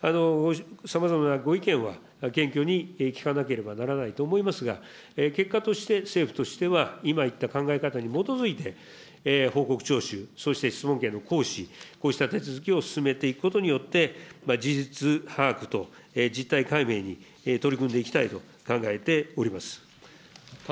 さまざまなご意見は謙虚に聞かなければなりませんが、結果として、政府としては、今言った考え方に基づいて、報告徴収、そして質問権の行使、こうした手続きを進めていくことによって、事実把握と実態解明に取り組んでいきたいと考えております。